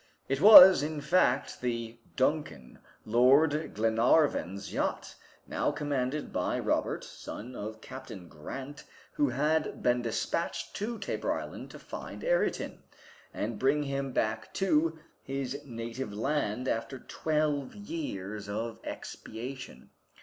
It was, in fact, the "Duncan," Lord Glenarvan's yacht, now commanded by Robert, son of Captain Grant, who had been despatched to Tabor Island to find Ayrton, and bring him back to his native land after twelve years of expiation.